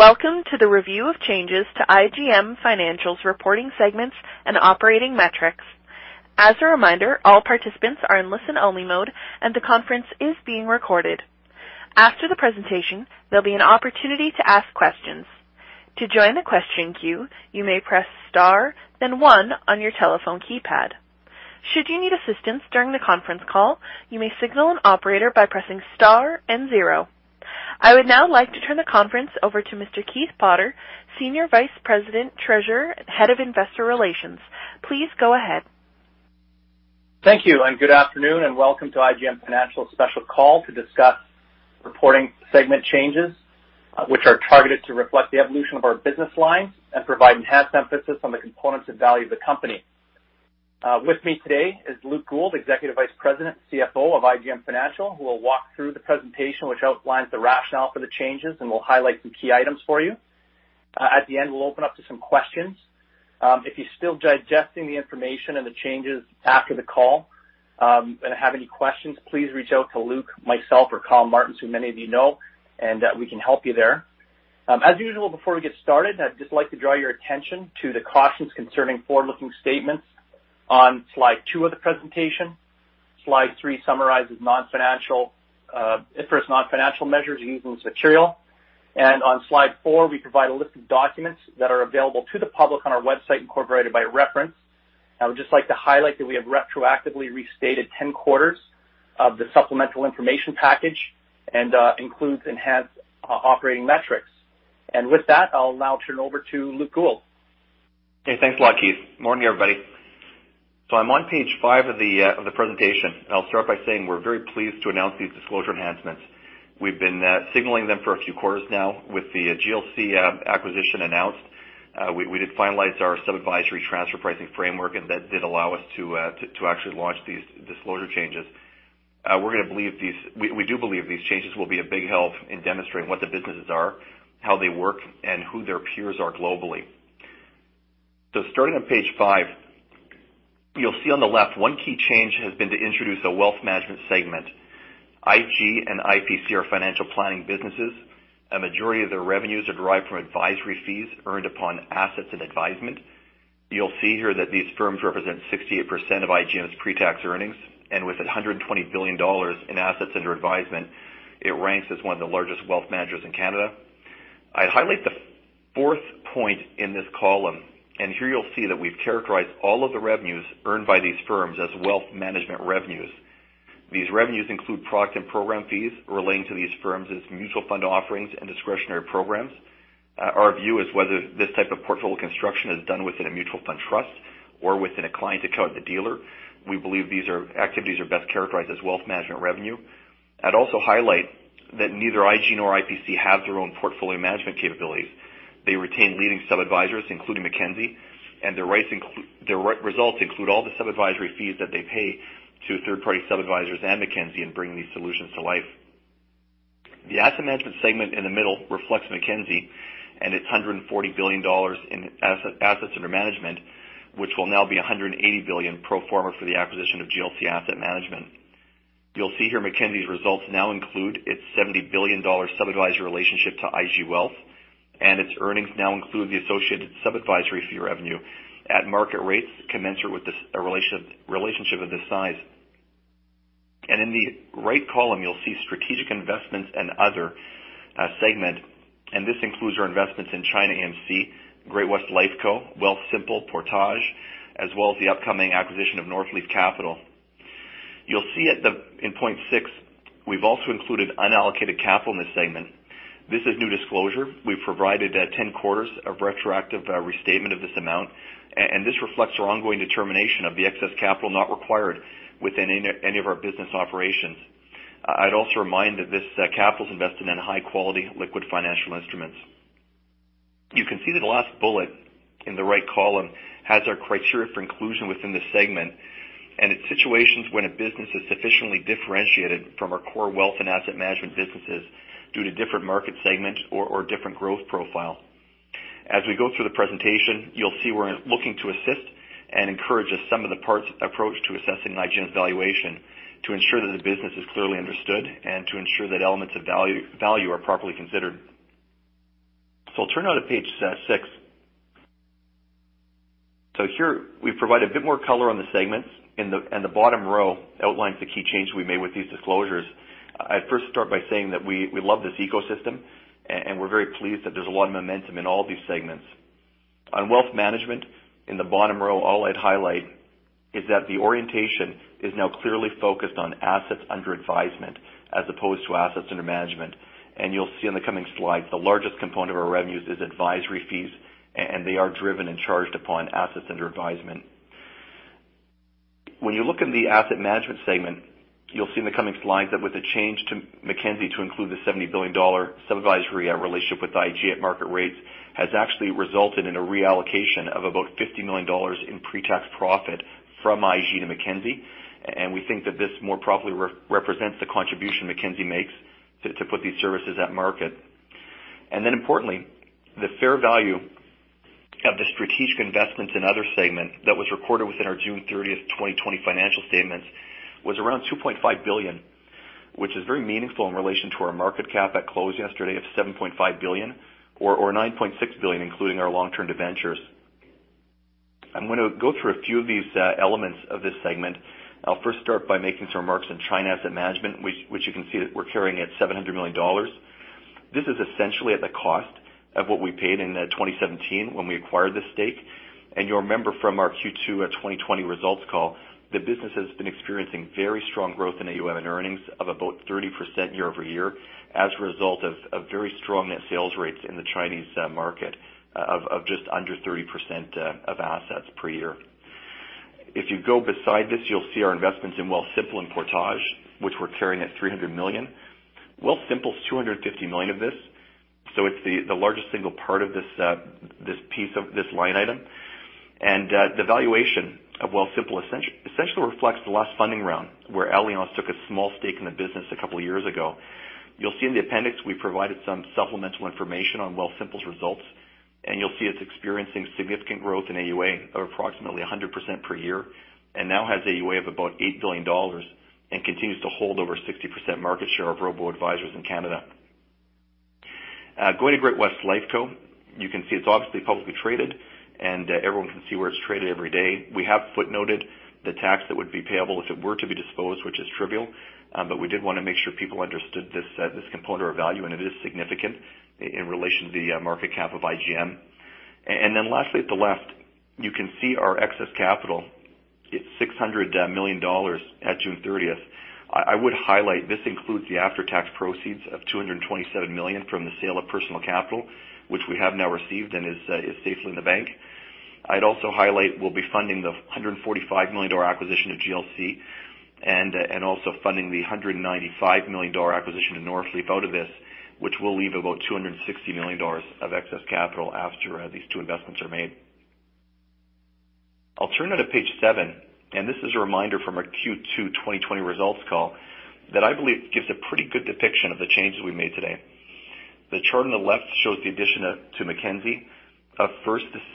Welcome to the review of changes to IGM Financial's reporting segments and operating metrics. As a reminder, all participants are in listen-only mode, and the conference is being recorded. After the presentation, there'll be an opportunity to ask questions. To join the question queue, you may press Star, then one on your telephone keypad. Should you need assistance during the conference call, you may signal an operator by pressing Star and zero. I would now like to turn the conference over to Mr. Keith Potter, Senior Vice President, Treasurer, Head of Investor Relations. Please go ahead. Thank you, and good afternoon, and welcome to IGM Financial's special call to discuss reporting segment changes, which are targeted to reflect the evolution of our business lines and provide enhanced emphasis on the components and value of the company. With me today is Luke Gould, Executive Vice President, CFO of IGM Financial, who will walk through the presentation, which outlines the rationale for the changes and will highlight some key items for you. At the end, we'll open up to some questions. If you're still digesting the information and the changes after the call, and have any questions, please reach out to Luke, myself, or Kyle Martens, who many of you know, and we can help you there. As usual, before we get started, I'd just like to draw your attention to the cautions concerning forward-looking statements on slide 2 of the presentation. Slide 3 summarizes non-IFRS financial measures using material, and on slide 4, we provide a list of documents that are available to the public on our website, incorporated by reference. I would just like to highlight that we have retroactively restated 10 quarters of the supplemental information package and includes enhanced operating metrics. And with that, I'll now turn it over to Luke Gould. Okay, thanks a lot, Keith. Morning, everybody. I'm on page five of the presentation. I'll start by saying we're very pleased to announce these disclosure enhancements. We've been signaling them for a few quarters now with the GLC acquisition announced. We did finalize our sub-advisory transfer pricing framework, and that did allow us to actually launch these disclosure changes. We do believe these changes will be a big help in demonstrating what the businesses are, how they work, and who their peers are globally. Starting on page 5, you'll see on the left, one key change has been to introduce a wealth management segment. IG and IPC are financial planning businesses. A majority of their revenues are derived from advisory fees earned upon assets and advisement. You'll see here that these firms represent 68% of IGM's pretax earnings, and with 120 billion dollars in assets under advisement, it ranks as one of the largest wealth managers in Canada. I highlight the fourth point in this column, and here you'll see that we've characterized all of the revenues earned by these firms as wealth management revenues. These revenues include product and program fees relating to these firms' mutual fund offerings and discretionary programs. Our view is whether this type of portfolio construction is done within a mutual fund trust or within a client account, the dealer. We believe these are activities are best characterized as wealth management revenue. I'd also highlight that neither IG nor IPC have their own portfolio management capabilities. They retain leading sub-advisors, including Mackenzie, and their results include all the sub-advisory fees that they pay to third-party sub-advisors and Mackenzie in bringing these solutions to life. The asset management segment in the middle reflects Mackenzie and its 140 billion dollars in assets under management, which will now be 180 billion pro forma for the acquisition of GLC Asset Management. You'll see here Mackenzie's results now include its 70 billion dollar sub-advisory relationship to IG Wealth, and its earnings now include the associated sub-advisory fee revenue at market rates, commensurate with this relationship of this size. And in the right column, you'll see strategic investments and other segment, and this includes our investments in China MC, Great West Life Co, Wealthsimple, Portage, as well as the upcoming acquisition of Northleaf Capital. You'll see at the... In point six, we've also included unallocated capital in this segment. This is new disclosure. We've provided 10 quarters of retroactive restatement of this amount, and this reflects our ongoing determination of the excess capital not required within any of our business operations. I'd also remind that this capital is invested in high-quality, liquid financial instruments. You can see that the last bullet in the right column has our criteria for inclusion within the segment, and it's situations when a business is sufficiently differentiated from our core wealth and asset management businesses due to different market segments or different growth profile. As we go through the presentation, you'll see we're looking to assist and encourage a sum of the parts approach to assessing IGM's valuation, to ensure that the business is clearly understood and to ensure that elements of value are properly considered. So I'll turn now to page six. So here we provide a bit more color on the segments, and the bottom row outlines the key changes we made with these disclosures. I'd first start by saying that we love this ecosystem, and we're very pleased that there's a lot of momentum in all these segments. On wealth management, in the bottom row, all I'd highlight is that the orientation is now clearly focused on assets under advisement, as opposed to assets under management. And you'll see in the coming slides, the largest component of our revenues is advisory fees, and they are driven and charged upon assets under advisement. When you look in the asset management segment, you'll see in the coming slides that with the change to Mackenzie to include the 70 billion dollar sub-advisory relationship with IG at market rates, has actually resulted in a reallocation of about 50 million dollars in pre-tax profit from IG to Mackenzie. We think that this more properly represents the contribution Mackenzie makes to put these services at market. Then importantly, the fair value of the strategic investments in other segment that was recorded within our June 30, 2020 financial statements was around 2.5 billion, which is very meaningful in relation to our market cap at close yesterday of 7.5 billion or 9.6 billion, including our long-term debentures. I'm going to go through a few of these elements of this segment. I'll first start by making some remarks on China Asset Management, which you can see that we're carrying at 700 million dollars. This is essentially at the cost of what we paid in 2017 when we acquired this stake. And you'll remember from our Q2 2020 results call, the business has been experiencing very strong growth in AUM and earnings of about 30% year-over-year as a result of very strong net sales rates in the Chinese market of just under 30% of assets per year. If you go beside this, you'll see our investments in Wealthsimple and Portage, which we're carrying at 300 million. Wealthsimple is 250 million of this, so it's the largest single part of this piece of this line item. The valuation of Wealthsimple essentially reflects the last funding round, where Allianz took a small stake in the business a couple of years ago. You'll see in the appendix, we provided some supplemental information on Wealthsimple's results, and you'll see it's experiencing significant growth in AUA of approximately 100% per year, and now has AUA of about 8 billion dollars and continues to hold over 60% market share of robo-advisors in Canada. Going to Great-West Lifeco, you can see it's obviously publicly traded, and everyone can see where it's traded every day. We have footnoted the tax that would be payable if it were to be disposed, which is trivial. But we did want to make sure people understood this, this component of value, and it is significant in relation to the market cap of IGM. And then lastly, at the left, you can see our excess capital. It's 600 million dollars at June thirtieth. I would highlight this includes the after-tax proceeds of 227 million from the sale of Personal Capital, which we have now received and is safely in the bank. I'd also highlight we'll be funding the 145 million dollar acquisition of GLC and also funding the 195 million dollar acquisition of Northleaf out of this, which will leave about 260 million dollars of excess capital after these two investments are made. I'll turn now to page 7, and this is a reminder from our Q2 2020 results call that I believe gives a pretty good depiction of the changes we made today. The chart on the left shows the addition to Mackenzie of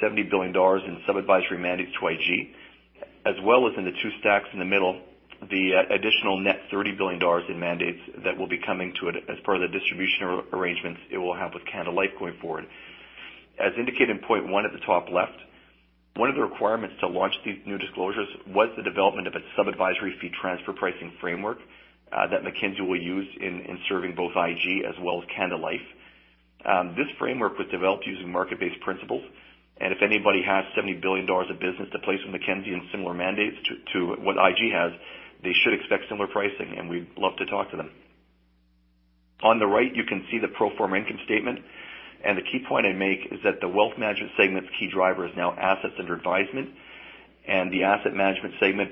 70 billion dollars in sub-advisory mandates to IG, as well as in the two stacks in the middle, the additional net 30 billion dollars in mandates that will be coming to it as per the distribution arrangements it will have with Canada Life going forward. As indicated in point one at the top left, one of the requirements to launch these new disclosures was the development of a sub-advisory fee transfer pricing framework that Mackenzie will use in serving both IG as well as Canada Life. This framework was developed using market-based principles, and if anybody has CAD 70 billion of business to place with Mackenzie and similar mandates to what IG has, they should expect similar pricing, and we'd love to talk to them. On the right, you can see the pro forma income statement, and the key point I make is that the wealth management segment's key driver is now assets under advisement, and the asset management segment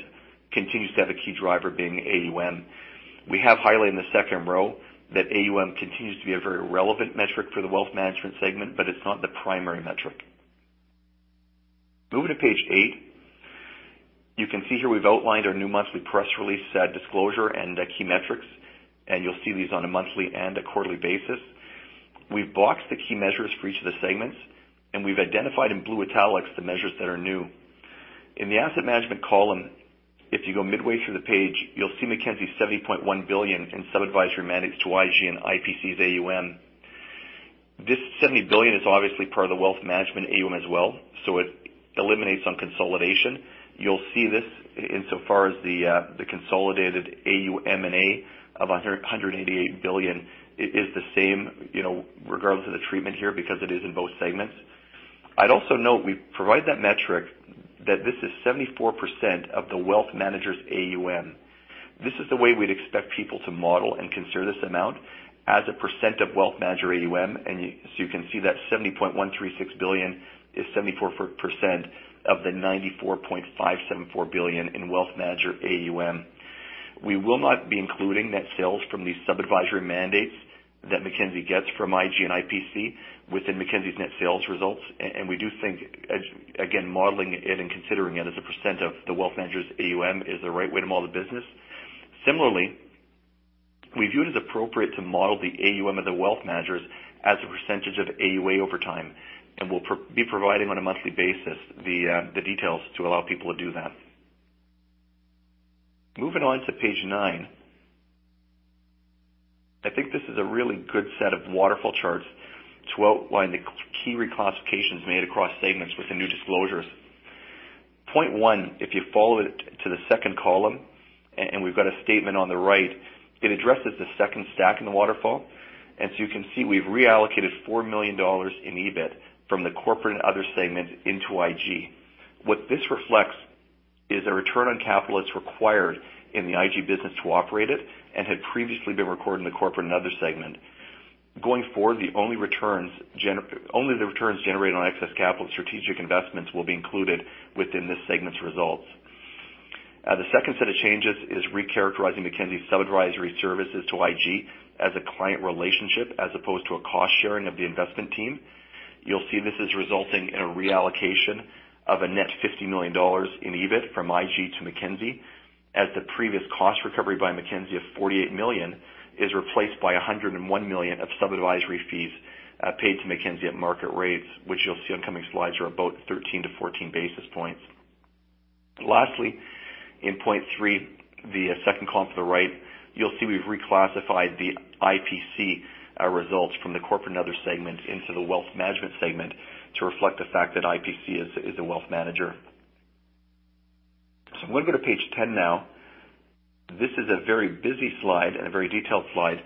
continues to have a key driver being AUM. We have highlighted in the second row that AUM continues to be a very relevant metric for the wealth management segment, but it's not the primary metric. Moving to page 8. You can see here we've outlined our new monthly press release, disclosure and key metrics, and you'll see these on a monthly and a quarterly basis. We've boxed the key measures for each of the segments, and we've identified in blue italics the measures that are new. In the asset management column, if you go midway through the page, you'll see Mackenzie's 70.1 billion in sub-advisory mandates to IG and IPC's AUM. This 70 billion is obviously part of the wealth management AUM as well, so it eliminates on consolidation. You'll see this in so far as the consolidated AUM&A of 188 billion is the same, you know, regardless of the treatment here, because it is in both segments. I'd also note we provide that metric that this is 74% of the wealth managers' AUM. This is the way we'd expect people to model and consider this amount as a percent of wealth manager AUM, and so you can see that 70.136 billion is 74% of the 94.574 billion in wealth manager AUM. We will not be including net sales from the sub-advisory mandates that Mackenzie gets from IG and IPC within Mackenzie's net sales results. We do think, as again, modeling it and considering it as a % of the wealth managers' AUM is the right way to model the business. Similarly, we view it as appropriate to model the AUM of the wealth managers as a % of AUA over time, and we'll be providing on a monthly basis the details to allow people to do that. Moving on to page 9. I think this is a really good set of waterfall charts to outline the key reclassifications made across segments with the new disclosures. Point 1, if you follow it to the second column, and we've got a statement on the right, it addresses the second stack in the waterfall, and so you can see we've reallocated 4 million dollars in EBIT from the corporate and other segment into IG. What this reflects is a return on capital that's required in the IG business to operate it and had previously been recorded in the corporate and other segment. Going forward, the only returns generated on excess capital strategic investments will be included within this segment's results. The second set of changes is recharacterizing Mackenzie's sub-advisory services to IG as a client relationship as opposed to a cost-sharing of the investment team. You'll see this is resulting in a reallocation of a net 50 million dollars in EBIT from IG to Mackenzie, as the previous cost recovery by Mackenzie of 48 million is replaced by 101 million of sub-advisory fees, paid to Mackenzie at market rates, which you'll see on coming slides are about 13-14 basis points. Lastly, in point three, the second column to the right, you'll see we've reclassified the IPC results from the corporate and other segment into the wealth management segment to reflect the fact that IPC is a wealth manager. So I want to go to page 10 now. This is a very busy slide and a very detailed slide,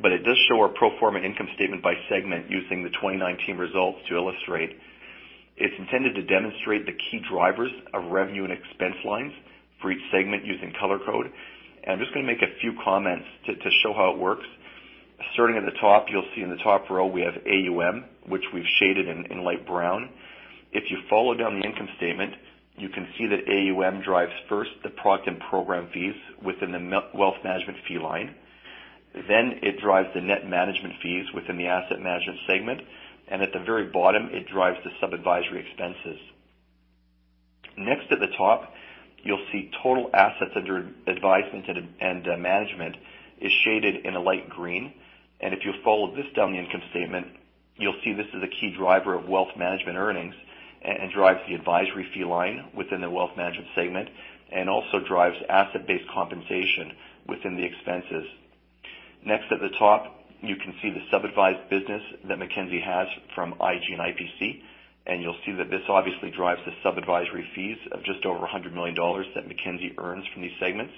but it does show our pro forma income statement by segment using the 2019 results to illustrate. It's intended to demonstrate the key drivers of revenue and expense lines for each segment using color code. And I'm just going to make a few comments to show how it works. Starting at the top, you'll see in the top row, we have AUM, which we've shaded in light brown. If you follow down the income statement, you can see that AUM drives first, the product and program fees within the wealth management fee line. Then it drives the net management fees within the asset management segment, and at the very bottom, it drives the sub-advisory expenses. Next, at the top, you'll see total assets under advisement and management is shaded in a light green. And if you follow this down the income statement, you'll see this is a key driver of wealth management earnings and drives the advisory fee line within the wealth management segment, and also drives asset-based compensation within the expenses. Next, at the top, you can see the sub-advised business that Mackenzie has from IG and IPC, and you'll see that this obviously drives the sub-advisory fees of just over 100 million dollars that Mackenzie earns from these segments.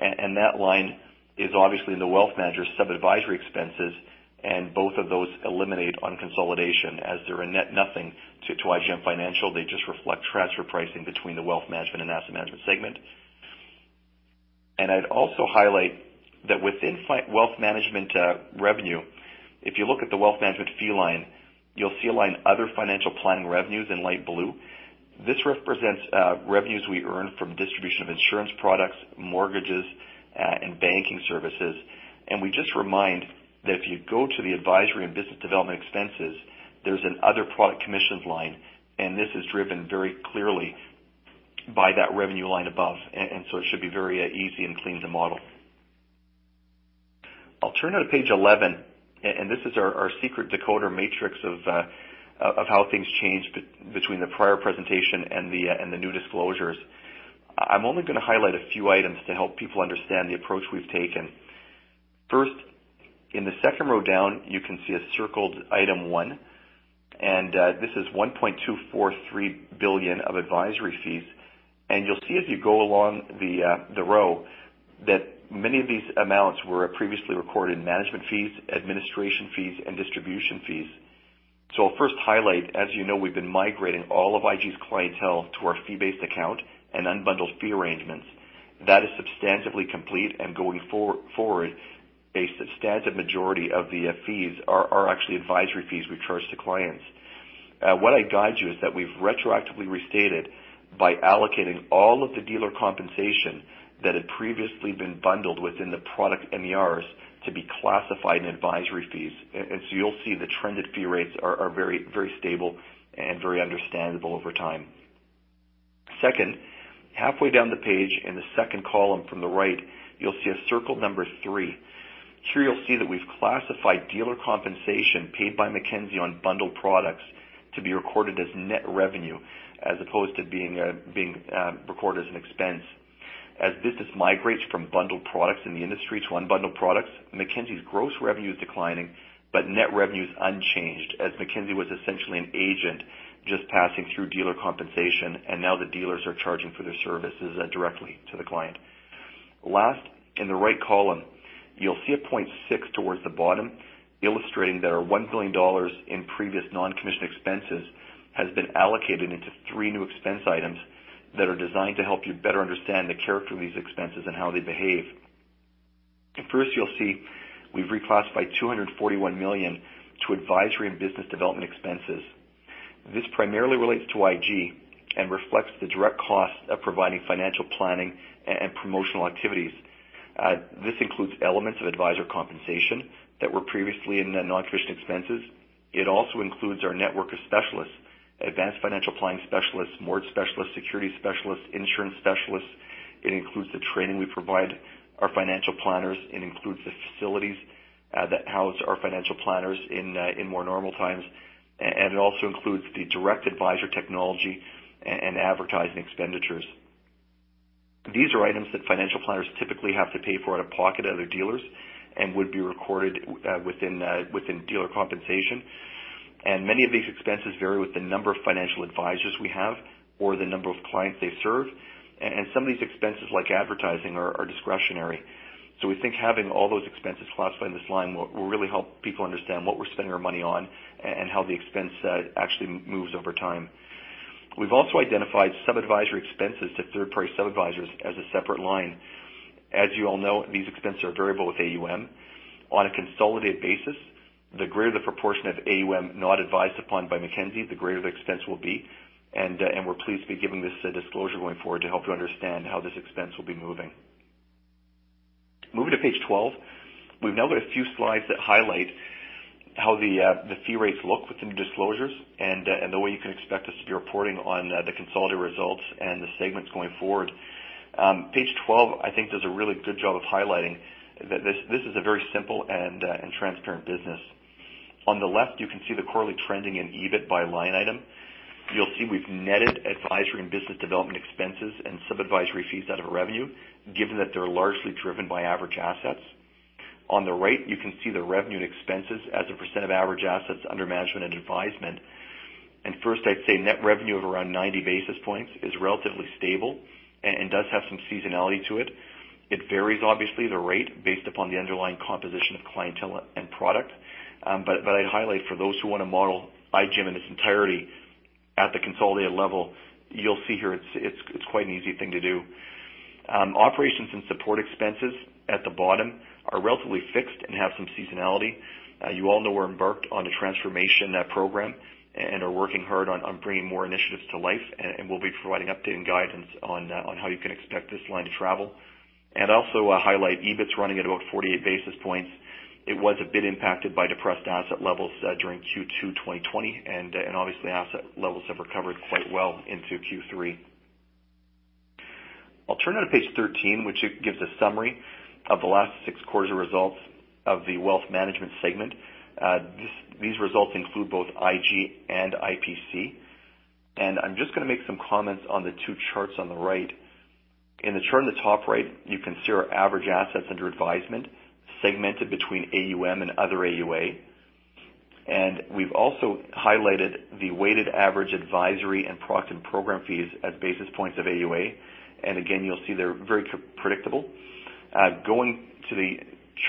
that line is obviously in the wealth manager sub-advisory expenses, and both of those eliminate on consolidation as they're a net nothing to IGM Financial. They just reflect transfer pricing between the wealth management and asset management segment. And I'd also highlight that within wealth management revenue, if you look at the wealth management fee line, you'll see a line, other financial planning revenues in light blue. This represents revenues we earn from distribution of insurance products, mortgages, and banking services. And we just remind that if you go to the advisory and business development expenses, there's an other product commissions line, and this is driven very clearly by that revenue line above. And so it should be very easy and clean to model. I'll turn to page 11, and this is our, our secret decoder matrix of, of how things changed between the prior presentation and the, and the new disclosures. I'm only going to highlight a few items to help people understand the approach we've taken. First, in the second row down, you can see a circled item 1, and, this is 1.243 billion of advisory fees. And you'll see as you go along the, the row, that many of these amounts were previously recorded in management fees, administration fees, and distribution fees. So I'll first highlight, as you know, we've been migrating all of IG's clientele to our fee-based account and unbundled fee arrangements. That is substantively complete, and going forward, a substantive majority of the, fees are, actually advisory fees we charge to clients. What I guide you is that we've retroactively restated by allocating all of the dealer compensation that had previously been bundled within the product MERs to be classified in advisory fees. And so you'll see the trended fee rates are very, very stable and very understandable over time. Second, halfway down the page, in the second column from the right, you'll see a circle number three. Here you'll see that we've classified dealer compensation paid by Mackenzie on bundled products to be recorded as net revenue, as opposed to being recorded as an expense. As business migrates from bundled products in the industry to unbundled products, Mackenzie's gross revenue is declining, but net revenue is unchanged, as Mackenzie was essentially an agent just passing through dealer compensation, and now the dealers are charging for their services directly to the client. Last, in the right column, you'll see 0.6 towards the bottom, illustrating that our 1 billion dollars in previous non-commission expenses has been allocated into three new expense items that are designed to help you better understand the character of these expenses and how they behave. First, you'll see we've reclassified 241 million to advisory and business development expenses. This primarily relates to IG and reflects the direct cost of providing financial planning and promotional activities. This includes elements of advisor compensation that were previously in the non-commission expenses. It also includes our network of specialists, advanced financial planning specialists, mortgage specialists, security specialists, insurance specialists. It includes the training we provide our financial planners. It includes the facilities that house our financial planners in more normal times. And it also includes the direct advisor technology and advertising expenditures. These are items that financial planners typically have to pay for out of pocket, out of their dealers, and would be recorded within dealer compensation. And many of these expenses vary with the number of financial advisors we have or the number of clients they serve. And some of these expenses, like advertising, are discretionary. So we think having all those expenses classified in this line will really help people understand what we're spending our money on and how the expense set actually moves over time. We've also identified sub-advisory expenses to third-party sub-advisors as a separate line. As you all know, these expenses are variable with AUM. On a consolidated basis, the greater the proportion of AUM not advised upon by Mackenzie, the greater the expense will be, and we're pleased to be giving this disclosure going forward to help you understand how this expense will be moving. Moving to page 12, we've now got a few slides that highlight how the fee rates look with the new disclosures and the way you can expect us to be reporting on the consolidated results and the segments going forward. Page 12, I think, does a really good job of highlighting that this is a very simple and transparent business. On the left, you can see the quarterly trending in EBIT by line item. You'll see we've netted advisory and business development expenses and sub-advisory fees out of revenue, given that they're largely driven by average assets. On the right, you can see the revenue and expenses as a % of average assets under management and advisement. First, I'd say net revenue of around 90 basis points is relatively stable and does have some seasonality to it. It varies obviously, the rate, based upon the underlying composition of clientele and product. But I'd highlight for those who want to model IGM in its entirety at the consolidated level, you'll see here it's quite an easy thing to do. Operations and support expenses at the bottom are relatively fixed and have some seasonality. You all know we're embarked on the transformation program and are working hard on bringing more initiatives to life, and we'll be providing updated guidance on how you can expect this line to travel. Also, highlight EBIT's running at about 48 basis points. It was a bit impacted by depressed asset levels during Q2 2020, and, and obviously, asset levels have recovered quite well into Q3. I'll turn now to page 13, which gives a summary of the last 6 quarters results of the wealth management segment. These results include both IG and IPC. I'm just going to make some comments on the two charts on the right. In the chart on the top right, you can see our average assets under advisement segmented between AUM and other AUA. We've also highlighted the weighted average advisory and product and program fees as basis points of AUA. Again, you'll see they're very predictable. Going to the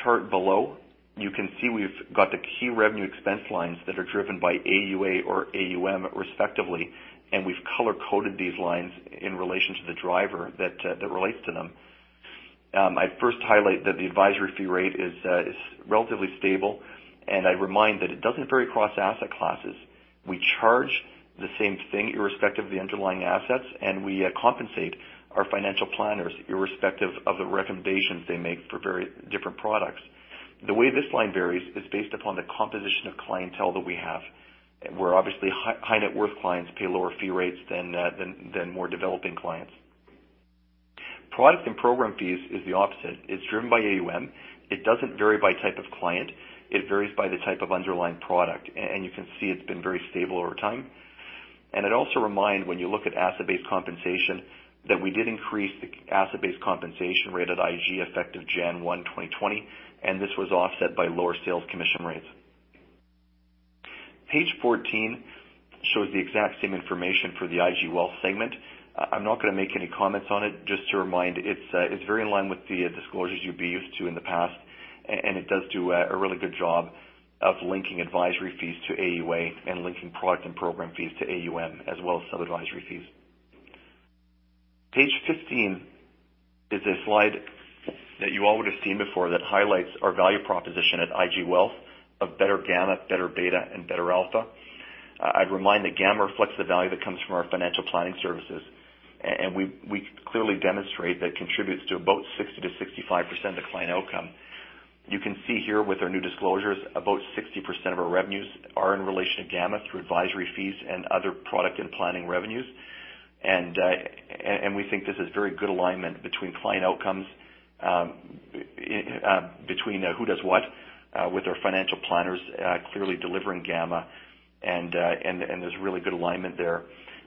chart below, you can see we've got the key revenue expense lines that are driven by AUA or AUM, respectively, and we've color-coded these lines in relation to the driver that that relates to them. I'd first highlight that the advisory fee rate is relatively stable, and I remind that it doesn't vary across asset classes. We charge the same thing, irrespective of the underlying assets, and we compensate our financial planners irrespective of the recommendations they make for very different products. The way this line varies is based upon the composition of clientele that we have, where obviously high net worth clients pay lower fee rates than more developing clients. Product and program fees is the opposite. It's driven by AUM. It doesn't vary by type of client. It varies by the type of underlying product, and you can see it's been very stable over time. And I'd also remind, when you look at asset-based compensation, that we did increase the asset-based compensation rate at IG, effective January 1, 2020, and this was offset by lower sales commission rates. Page 14 shows the exact same information for the IG Wealth segment. I'm not going to make any comments on it, just to remind, it's very in line with the disclosures you'd be used to in the past, and it does a really good job of linking advisory fees to AUA and linking product and program fees to AUM, as well as sub-advisory fees. Page fifteen is a slide that you all would have seen before, that highlights our value proposition at IG Wealth of better gamma, better beta, and better alpha. I'd remind that gamma reflects the value that comes from our financial planning services, and we clearly demonstrate that contributes to about 60%-65% of client outcome. You can see here with our new disclosures, about 60% of our revenues are in relation to gamma through advisory fees and other product and planning revenues. And we think this is very good alignment between client outcomes, between who does what with our financial planners clearly delivering gamma, and there's really good alignment there.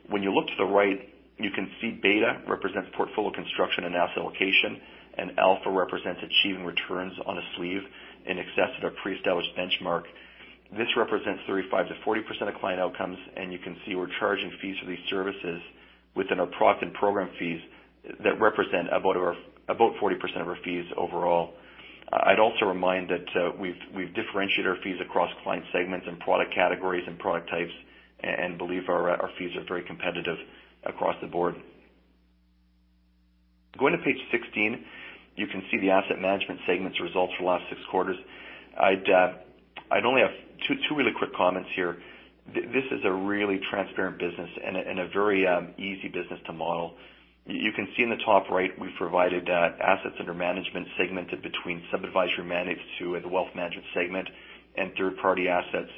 When you look to the right, you can see beta represents portfolio construction and asset allocation, and alpha represents achieving returns on a sleeve in excess of our pre-established benchmark. This represents 35%-40% of client outcomes, and you can see we're charging fees for these services within our product and program fees that represent about 40% of our fees overall. I'd also remind that we've differentiated our fees across client segments and product categories and product types, and believe our fees are very competitive across the board. Going to page 16, you can see the asset management segment's results for the last six quarters. I'd only have two really quick comments here. This is a really transparent business and a very easy business to model. You can see in the top right, we've provided, assets under management segmented between sub-advisory managed to the wealth management segment and third-party assets.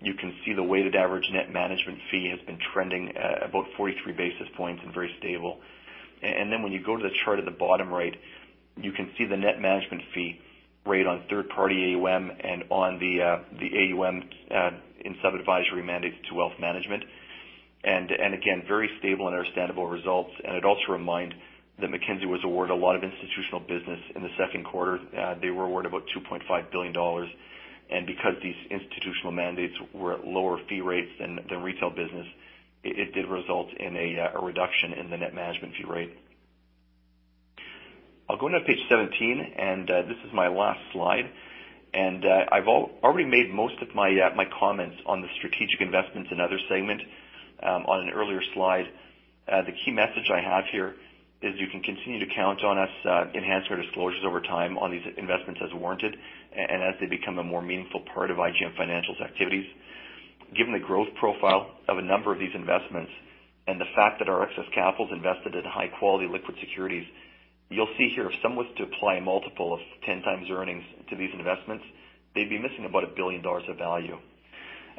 You can see the weighted average net management fee has been trending, about 43 basis points and very stable. And then when you go to the chart at the bottom right, you can see the net management fee rate on third-party AUM and on the, the AUM, in sub-advisory mandates to wealth management. And, and again, very stable and understandable results. And I'd also remind that Mackenzie was awarded a lot of institutional business in the second quarter. They were awarded about 2.5 billion dollars, and because these institutional mandates were at lower fee rates than the retail business, it, it did result in a, a reduction in the net management fee rate. I'll go now to page 17, and this is my last slide. I've already made most of my comments on the strategic investments in other segment on an earlier slide. The key message I have here is you can continue to count on us to enhance our disclosures over time on these investments as warranted and as they become a more meaningful part of IGM Financial's activities. Given the growth profile of a number of these investments and the fact that our excess capital is invested in high quality liquid securities, you'll see here if someone was to apply a multiple of 10 times earnings to these investments, they'd be missing about 1 billion dollars of value.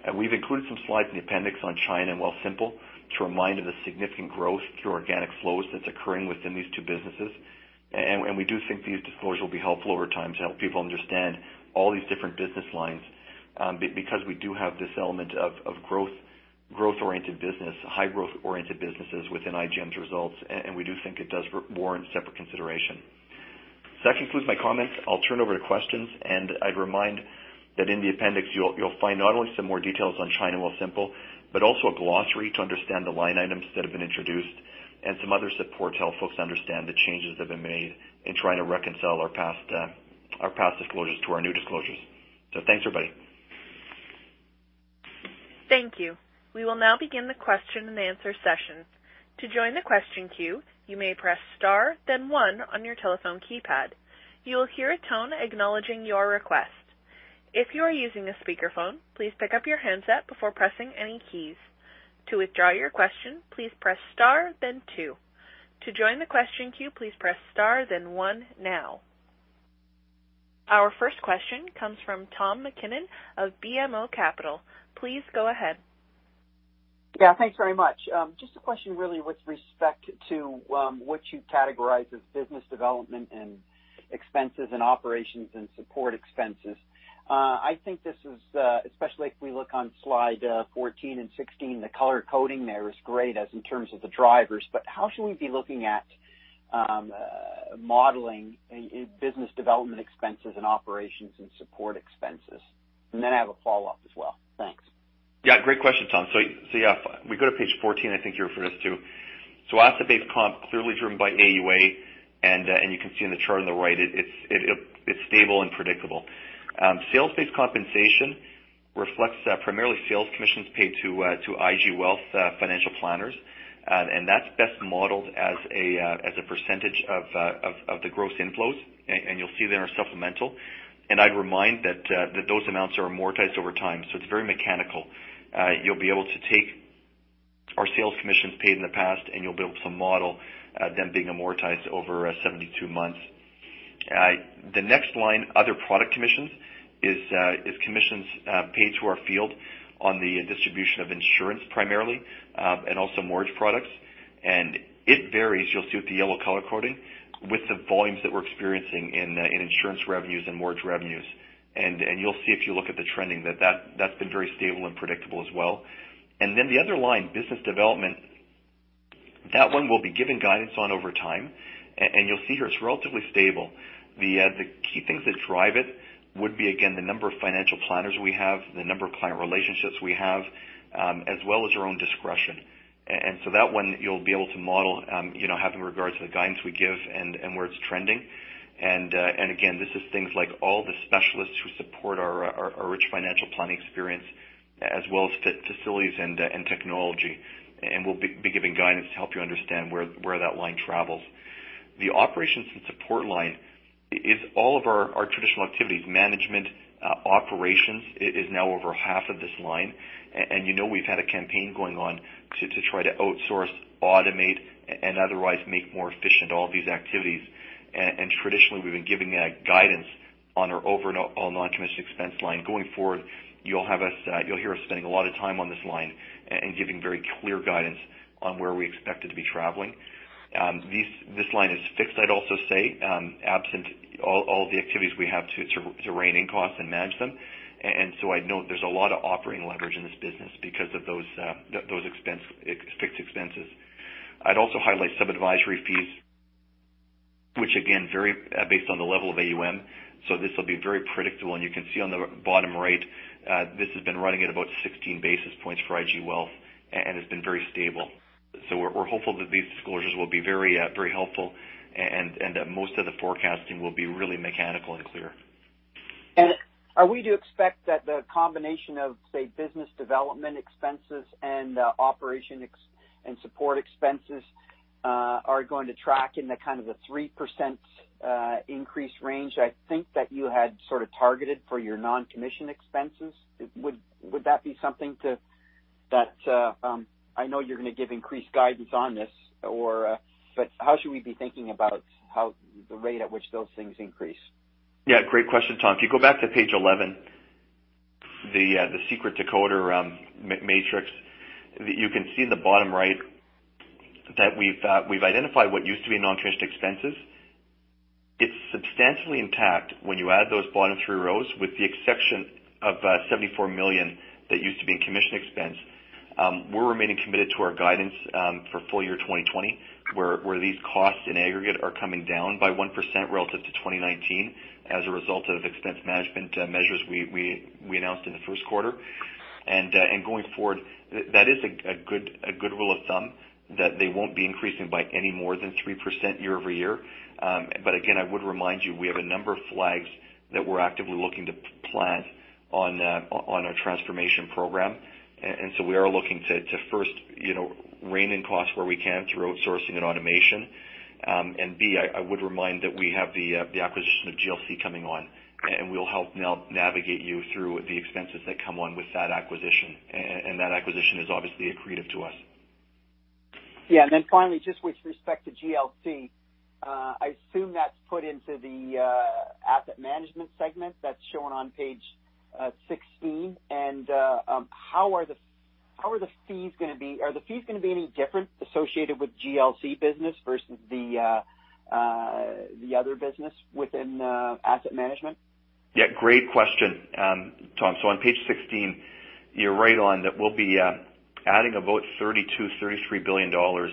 And we've included some slides in the appendix on China and Wealthsimple to remind of the significant growth through organic flows that's occurring within these two businesses. And we do think these disclosures will be helpful over time to help people understand all these different business lines, because we do have this element of growth, growth-oriented business, high growth-oriented businesses within IGM's results, and we do think it does warrant separate consideration. So that concludes my comments. I'll turn it over to questions, and I'd remind that in the appendix, you'll find not only some more details on China and Wealthsimple, but also a glossary to understand the line items that have been introduced and some other support to help folks understand the changes that have been made in trying to reconcile our past disclosures to our new disclosures. So thanks, everybody. Thank you. We will now begin the question and answer session. To join the question queue, you may press star, then 1 on your telephone keypad. You will hear a tone acknowledging your request. If you are using a speakerphone, please pick up your handset before pressing any keys. To withdraw your question, please press star then 2. To join the question queue, please press star then 1 now. Our first question comes from Tom MacKinnon of BMO Capital. Please go ahead. Yeah, thanks very much. Just a question really with respect to what you categorize as business development and expenses and operations and support expenses. I think this is especially if we look on slide 14 and 16, the color coding there is great as in terms of the drivers, but how should we be looking at modeling in business development expenses and operations and support expenses? And then I have a follow-up as well. Thanks. Yeah, great question, Tom. So yeah, if we go to page 14, I think you're referring us to. So asset-based comp, clearly driven by AUA, and you can see in the chart on the right, it's stable and predictable. Sales-based compensation reflects primarily sales commissions paid to IG Wealth financial planners. And that's best modeled as a percentage of the gross inflows, and you'll see there in our supplemental. And I'd remind that those amounts are amortized over time, so it's very mechanical. You'll be able to take our sales commissions paid in the past, and you'll be able to model them being amortized over 72 months. The next line, other product commissions, is commissions paid to our field on the distribution of insurance, primarily, and also mortgage products. And it varies, you'll see with the yellow color coding, with the volumes that we're experiencing in insurance revenues and mortgage revenues. And you'll see if you look at the trending, that that's been very stable and predictable as well. And then the other line, business development, that one we'll be giving guidance on over time. And you'll see here, it's relatively stable. The key things that drive it would be, again, the number of financial planners we have, the number of client relationships we have, as well as our own discretion. And so that one, you'll be able to model, you know, having regards to the guidance we give and where it's trending. Again, this is things like all the specialists who support our rich financial planning experience, as well as facilities and technology. We'll be giving guidance to help you understand where that line travels. The operations and support line is all of our traditional activities. Management operations is now over half of this line. And you know, we've had a campaign going on to try to outsource, automate, and otherwise make more efficient all these activities. And traditionally, we've been giving guidance on our overall non-commissioned expense line. Going forward, you'll have us, you'll hear us spending a lot of time on this line and giving very clear guidance on where we expect it to be traveling. These... This line is fixed. I'd also say, absent all the activities we have to rein in costs and manage them. And so I'd note there's a lot of operating leverage in this business because of those fixed expenses. I'd also highlight sub-advisory fees, which again vary based on the level of AUM, so this will be very predictable. And you can see on the bottom right, this has been running at about 16 basis points for IG Wealth and has been very stable. So we're hopeful that these disclosures will be very helpful, and most of the forecasting will be really mechanical and clear. Are we to expect that the combination of, say, business development expenses and operating and support expenses are going to track in the kind of the 3% increase range I think that you had sort of targeted for your non-commission expenses? Would that be something to that I know you're going to give increased guidance on this or but how should we be thinking about how the rate at which those things increase? Yeah, great question, Tom. If you go back to page 11, the secret decoder matrix, you can see in the bottom right that we've identified what used to be non-commissioned expenses. It's substantially intact when you add those bottom three rows, with the exception of 74 million that used to be in commission expense. We're remaining committed to our guidance for full year 2020, where these costs in aggregate are coming down by 1% relative to 2019 as a result of expense management measures we announced in the first quarter. And going forward, that is a good rule of thumb, that they won't be increasing by any more than 3% year-over-year. But again, I would remind you, we have a number of flags that we're actively looking to plant on our transformation program. And so we are looking to first, you know, rein in costs where we can through outsourcing and automation. And B, I would remind that we have the acquisition of GLC coming on, and we'll help navigate you through the expenses that come on with that acquisition. And that acquisition is obviously accretive to us. Yeah. And then finally, just with respect to GLC, I assume that's put into the asset management segment that's shown on page 16. And, how are the, how are the fees gonna be? Are the fees gonna be any different associated with GLC business versus the, the other business within asset management? Yeah, great question, Tom. So on page 16, you're right on, that we'll be adding about 32-33 billion dollars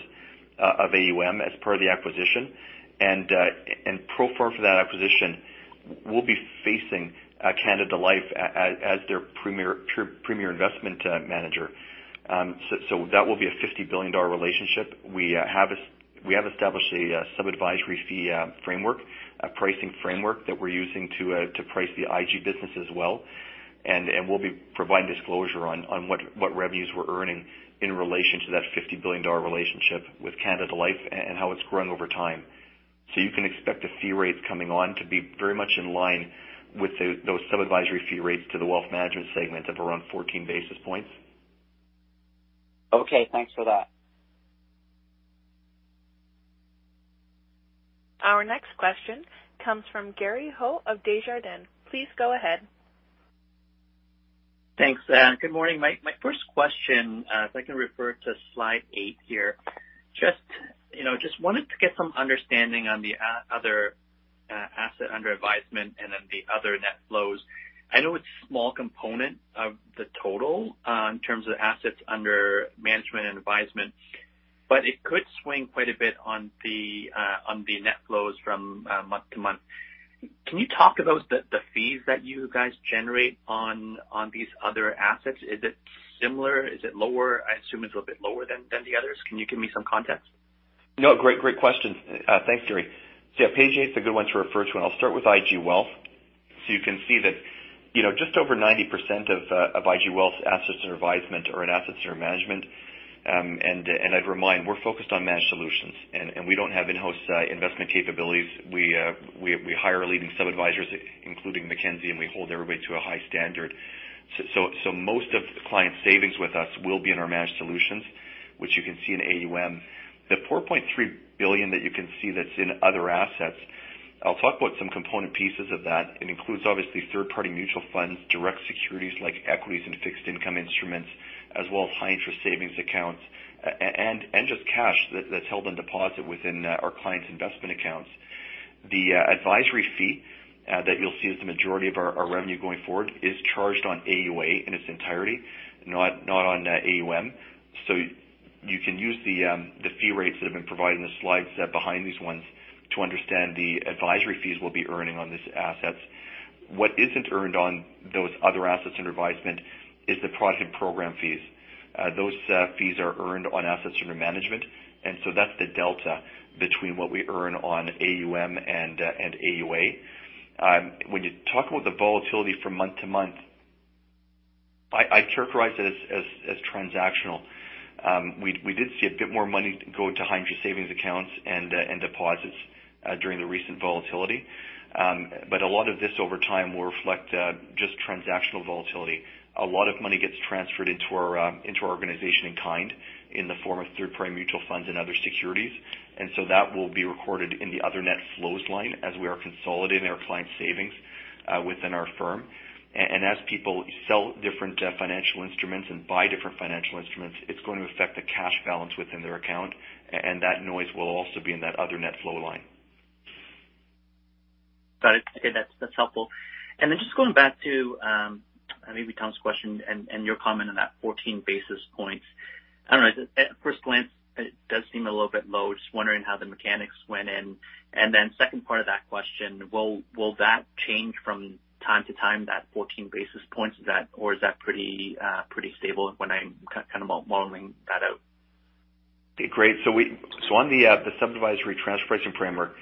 of AUM as per the acquisition. And pro forma for that acquisition, we'll be facing Canada Life as their premier investment manager. So that will be a 50 billion dollar relationship. We have established a sub-advisory fee framework, a pricing framework that we're using to price the IG business as well. And we'll be providing disclosure on what revenues we're earning in relation to that 50 billion dollar relationship with Canada Life, and how it's growing over time. So you can expect the fee rates coming on to be very much in line with those sub-advisory fee rates to the wealth management segment of around 14 basis points. Okay. Thanks for that. Our next question comes from Gary Ho of Desjardins. Please go ahead. Thanks. Good morning. My first question, if I can refer to slide 8 here. Just, you know, just wanted to get some understanding on the other asset under advisement and then the other net flows. I know it's a small component of the total, in terms of assets under management and advisement, but it could swing quite a bit on the net flows from month to month. Can you talk about the fees that you guys generate on these other assets? Is it similar? Is it lower? I assume it's a little bit lower than the others. Can you give me some context? No, great, great question. Thanks, Gary. So yeah, page eight's a good one to refer to, and I'll start with IG Wealth. So you can see that, you know, just over 90% of IG Wealth's assets under advisement are in assets under management. And I'd remind, we're focused on managed solutions, and we don't have in-house investment capabilities. We hire leading sub-advisors, including Mackenzie, and we hold everybody to a high standard. So most of the client's savings with us will be in our managed solutions, which you can see in AUM. The 4.3 billion that you can see that's in other assets, I'll talk about some component pieces of that. It includes, obviously, third-party mutual funds, direct securities like equities and fixed income instruments, as well as high interest savings accounts, and just cash that's held on deposit within our clients' investment accounts. The advisory fee that you'll see as the majority of our revenue going forward is charged on AUA in its entirety, not on AUM. So you can use the fee rates that have been provided in the slide set behind these ones to understand the advisory fees we'll be earning on these assets. What isn't earned on those other assets under advisement is the product and program fees. Those fees are earned on assets under management, and so that's the delta between what we earn on AUM and AUA. When you talk about the volatility from month to month, I characterize it as transactional. We did see a bit more money go into high interest savings accounts and deposits during the recent volatility. But a lot of this over time will reflect just transactional volatility. A lot of money gets transferred into our organization in kind, in the form of third-party mutual funds and other securities. And so that will be recorded in the other net flows line as we are consolidating our clients' savings within our firm. And as people sell different financial instruments and buy different financial instruments, it's going to affect the cash balance within their account, and that noise will also be in that other net flow line. Got it. Okay, that's, that's helpful. And then just going back to, maybe Tom's question and, and your comment on that 14 basis points. I don't know, at, at first glance, it does seem a little bit low. Just wondering how the mechanics went in. And then second part of that question, will, will that change from time to time, that 14 basis points? Is that -- or is that pretty stable when I'm kind of modeling that out? Okay, great. So on the sub-advisory transfer pricing framework,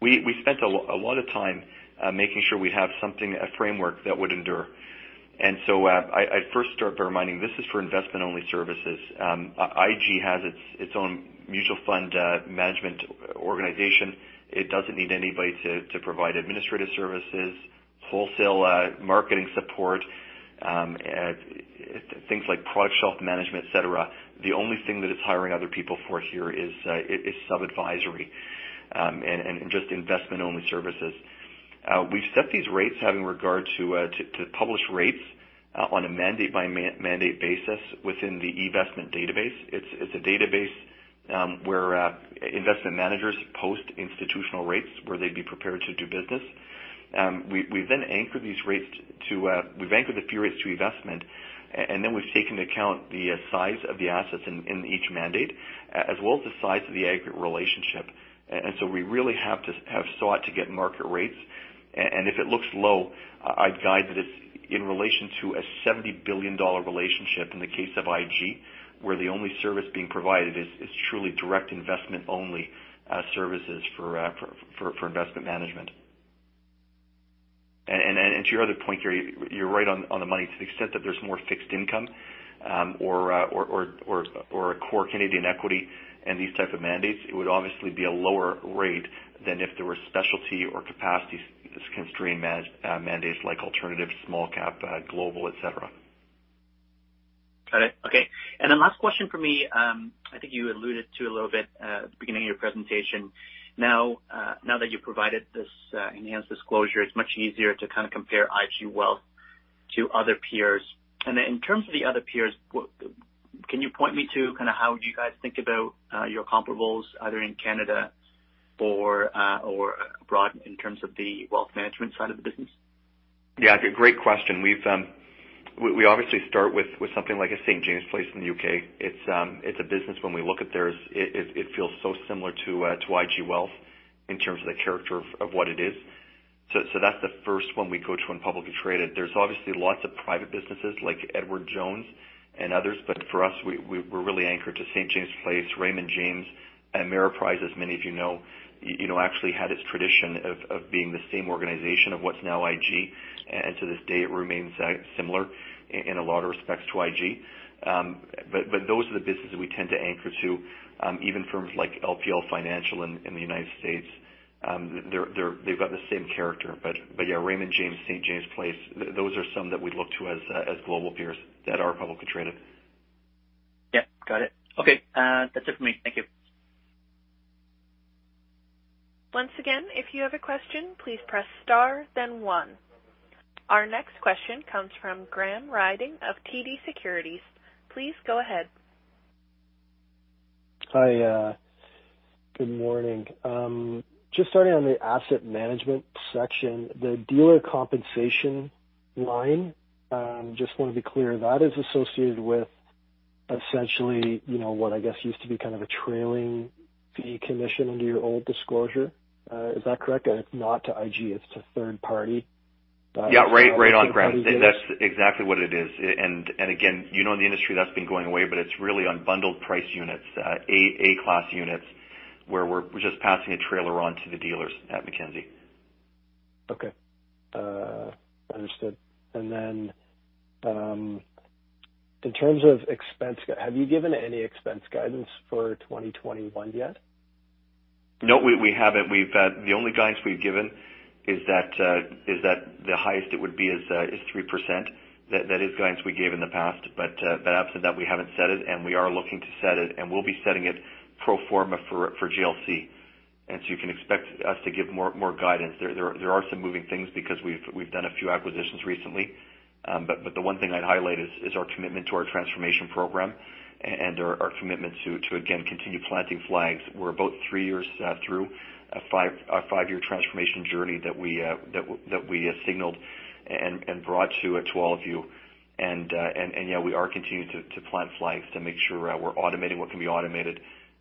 we spent a lot of time making sure we have something, a framework, that would endure. So I'd first start by reminding, this is for investment only services. IG has its own mutual fund management organization. It doesn't need anybody to provide administrative services, wholesale marketing support, things like product shelf management, et cetera. The only thing that it's hiring other people for here is sub-advisory and just investment-only services. We've set these rates having regard to published rates on a mandate by mandate basis within the investment database. It's a database where investment managers post institutional rates where they'd be prepared to do business. We then anchor these rates to—we've anchored the fee rates to investment—and then we've taken into account the size of the assets in each mandate, as well as the size of the aggregate relationship. And so we really have sought to get market rates. And if it looks low, I'd guide that it's in relation to a 70 billion dollar relationship in the case of IG, where the only service being provided is truly direct investment only services for investment management. And to your other point, Gary, you're right on the money to the extent that there's more fixed income, or a core Canadian equity and these type of mandates, it would obviously be a lower rate than if there were specialty or capacity constrained mandates like alternative small cap, global, et cetera. Got it. Okay. And then last question for me, I think you alluded to a little bit at the beginning of your presentation. Now, now that you've provided this enhanced disclosure, it's much easier to kind of compare IG Wealth to other peers. And then in terms of the other peers, can you point me to kind of how you guys think about your comparables, either in Canada or or abroad in terms of the wealth management side of the business? Yeah, great question. We obviously start with something like a St. James's Place in the UK. It's a business when we look at theirs, it feels so similar to IG Wealth in terms of the character of what it is. So that's the first one we go to when publicly traded. There's obviously lots of private businesses like Edward Jones and others, but for us, we're really anchored to St. James's Place, Raymond James, and Ameriprise, as many of you know, you know, actually had its tradition of being the same organization of what's now IG, and to this day, it remains similar in a lot of respects to IG. But those are the businesses we tend to anchor to, even firms like LPL Financial in the United States. They've got the same character. But yeah, Raymond James, St. James's Place, those are some that we'd look to as global peers that are publicly traded. Yeah. Got it. Okay, that's it for me. Thank you. Once again, if you have a question, please press star then 1. Our next question comes from Graham Ryding of TD Securities. Please go ahead. Hi, good morning. Just starting on the asset management section, the dealer compensation line, just want to be clear, that is associated with essentially, you know, what I guess used to be kind of a trailing fee commission under your old disclosure. Is that correct? And it's not to IG, it's to third party? Yeah, right, right on, Graham. That's exactly what it is. And again, you know, in the industry that's been going away, but it's really on bundled price units, A-class units, where we're just passing a trailer on to the dealers at Mackenzie. Okay. Understood. And then, in terms of expense, have you given any expense guidance for 2021 yet? No, we haven't. We've... The only guidance we've given is that the highest it would be is 3%. That is guidance we gave in the past, but absent that, we haven't set it, and we are looking to set it, and we'll be setting it pro forma for GLC. And so you can expect us to give more guidance. There are some moving things because we've done a few acquisitions recently. But the one thing I'd highlight is our commitment to our transformation program and our commitment to again continue planting flags. We're about 3 years through a five-year transformation journey that we signaled and brought to all of you. Yeah, we are continuing to plant flags to make sure we're automating what can be automated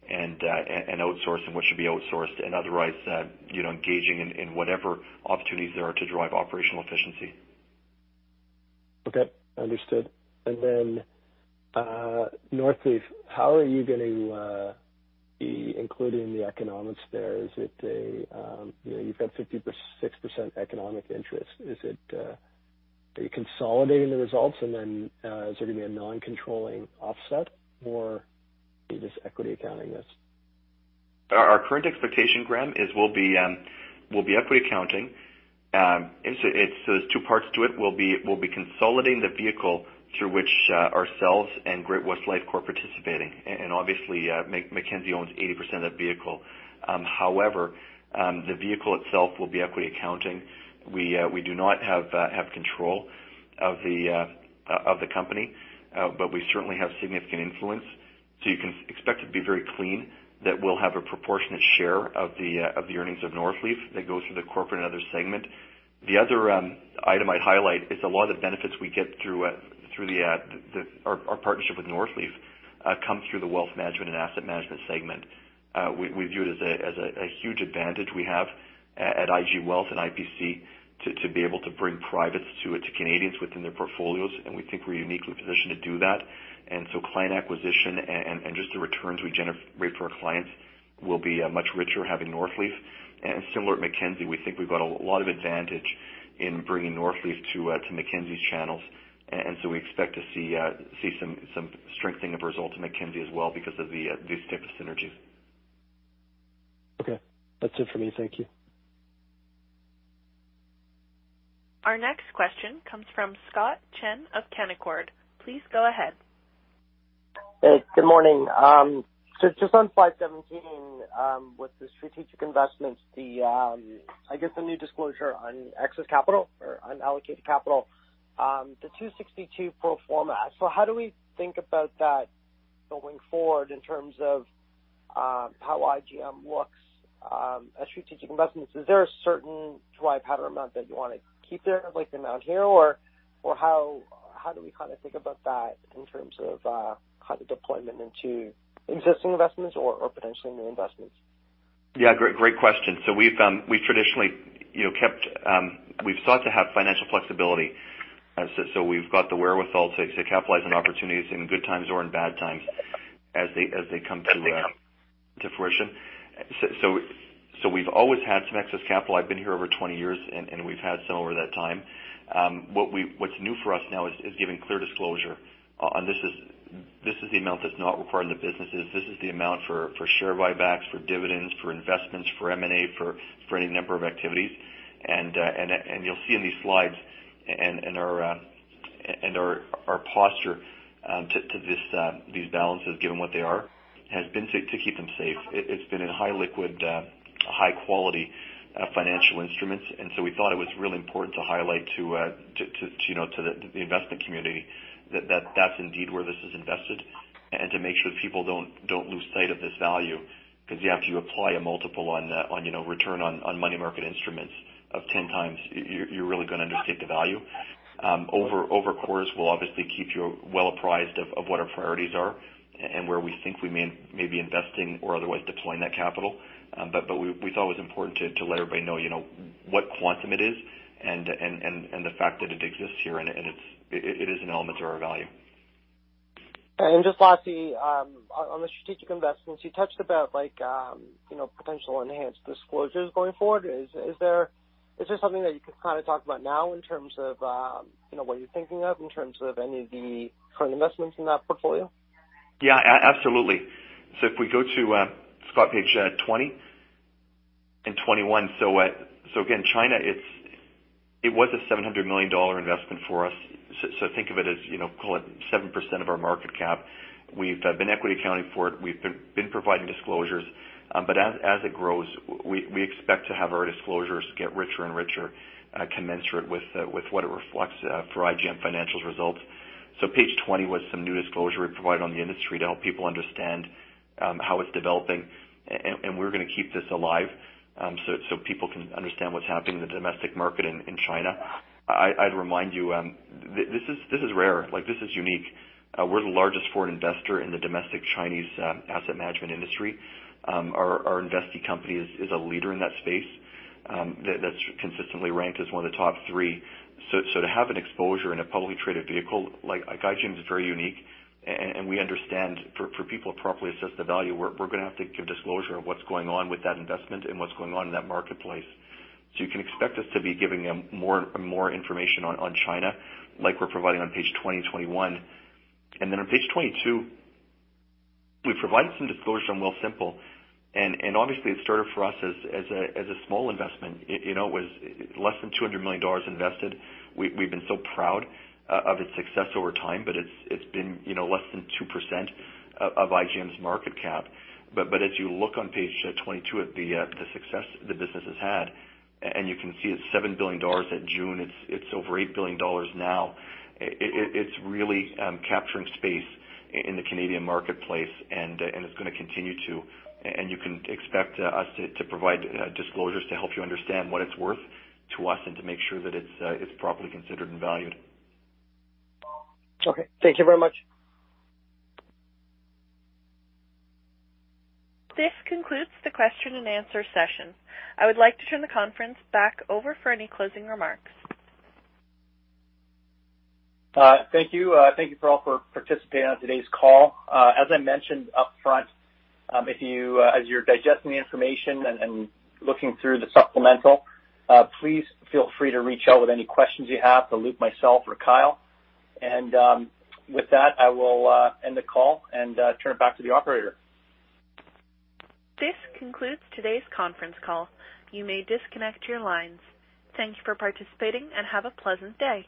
and outsourcing what should be outsourced, and otherwise, you know, engaging in whatever opportunities there are to drive operational efficiency. Okay, understood. And then, Northleaf, how are you going to be including the economics there? Is it a, you know, you've got 56% economic interest. Is it, are you consolidating the results and then, is there going to be a non-controlling offset or just equity accounting this? Our current expectation, Graham, is we'll be equity accounting. It's there are two parts to it. We'll be consolidating the vehicle through which ourselves and Great-West Lifeco participating. And obviously, Mackenzie owns 80% of that vehicle. However, the vehicle itself will be equity accounting. We do not have control of the company, but we certainly have significant influence. So you can expect it to be very clean, that we'll have a proportionate share of the earnings of Northleaf that goes through the corporate and other segment. The other item I'd highlight is a lot of the benefits we get through our partnership with Northleaf comes through the wealth management and asset management segment. We view it as a huge advantage we have at IG Wealth and IPC to be able to bring privates to Canadians within their portfolios, and we think we're uniquely positioned to do that. And so client acquisition and just the returns we generate for our clients will be much richer having Northleaf. And similar at Mackenzie, we think we've got a lot of advantage in bringing Northleaf to Mackenzie's channels. And so we expect to see some strengthening of results at Mackenzie as well because of these types of synergies. Okay. That's it for me. Thank you. Our next question comes from Scott Chan of Canaccord. Please go ahead. Hey, good morning. So just on 517, with the strategic investments, the, I guess, the new disclosure on excess capital or unallocated capital, the 262 pro forma. So how do we think about that going forward in terms of, how IGM looks, at strategic investments? Is there a certain dry powder amount that you want to keep there, like the amount here? Or, or how, how do we kind of think about that in terms of, kind of deployment into existing investments or, or potentially new investments? Yeah, great, great question. So we've traditionally, you know, kept, we've sought to have financial flexibility, so, so we've got the wherewithal to capitalize on opportunities in good times or in bad times as they come to fruition. So, so we've always had some excess capital. I've been here over 20 years, and we've had some over that time. What's new for us now is giving clear disclosure on this is, this is the amount that's not required in the businesses. This is the amount for share buybacks, for dividends, for investments, for M&A, for any number of activities. And you'll see in these slides and our posture to these balances, given what they are, has been to keep them safe. It's been in highly liquid, high quality, financial instruments, and so we thought it was really important to highlight to, you know, to the investment community that that's indeed where this is invested, and to make sure people don't lose sight of this value. Because after you apply a multiple on, you know, return on money market instruments of 10x, you're really gonna understate the value. Of course, we'll obviously keep you well apprised of what our priorities are and where we think we may be investing or otherwise deploying that capital. But we thought it was important to let everybody know, you know, what quantum it is and the fact that it exists here, and it is an element to our value. Just lastly, on the strategic investments, you touched about, like, you know, potential enhanced disclosures going forward. Is there something that you could kind of talk about now in terms of, you know, what you're thinking of, in terms of any of the current investments in that portfolio? Yeah, absolutely. So if we go to, Scott, page 20 and 21. So, so again, China, it's, it was a 700 million dollar investment for us. So, so think of it as, you know, call it 7% of our market cap. We've been equity accounting for it. We've been providing disclosures, but as it grows, we expect to have our disclosures get richer and richer, commensurate with what it reflects for IGM Financial's results. So page 20 was some new disclosure we provided on the industry to help people understand how it's developing, and we're gonna keep this alive, so people can understand what's happening in the domestic market in China. I'd remind you, this is rare, like, this is unique. We're the largest foreign investor in the domestic Chinese asset management industry. Our investee company is a leader in that space, that's consistently ranked as one of the top three. So to have an exposure in a publicly traded vehicle, like IGM, is very unique, and we understand for people to properly assess the value, we're gonna have to give disclosure of what's going on with that investment and what's going on in that marketplace. So you can expect us to be giving them more and more information on China, like we're providing on page 20 and 21. And then on page 22, we provided some disclosure on Wealthsimple, and obviously it started for us as a small investment. It, you know, it was less than 200 million dollars invested. We've been so proud of its success over time, but it's been, you know, less than 2% of IGM's market cap. But as you look on page 22 at the success the business has had, and you can see it's 7 billion dollars at June, it's over 8 billion dollars now. It's really capturing space in the Canadian marketplace, and it's gonna continue to... And you can expect us to provide disclosures to help you understand what it's worth to us and to make sure that it's properly considered and valued. Okay, thank you very much. This concludes the question and answer session. I would like to turn the conference back over for any closing remarks. Thank you. Thank you all for participating on today's call. As I mentioned up front, if you as you're digesting the information and looking through the supplemental, please feel free to reach out with any questions you have to Luke, myself, or Kyle. With that, I will end the call and turn it back to the operator. This concludes today's conference call. You may disconnect your lines. Thank you for participating, and have a pleasant day.